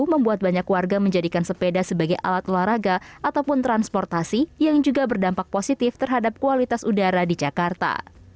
membuat banyak warga menjadikan sepeda sebagai alat olahraga ataupun transportasi yang juga berdampak positif terhadap kualitas udara di jakarta